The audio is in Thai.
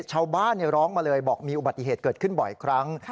ชาวบ้านร้องมาเลยบอกมีอุบัติเหตุเกิดขึ้นบ่อยครั้ง